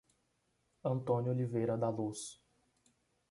Antônio Oliveira da Luz